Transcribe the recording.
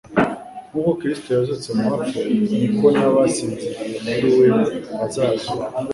Nk'uko Kristo yazutse mu bapfuye ni ko n'abasinziriye muri we bazazuka.